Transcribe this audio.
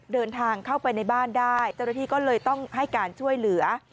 เดินทางเข้าไปในบ้านได้เจ้าหน้าที่ก็เลยต้องให้การช่วยเหลือ